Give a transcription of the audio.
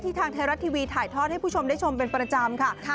ทางไทยรัฐทีวีถ่ายทอดให้ผู้ชมได้ชมเป็นประจำค่ะ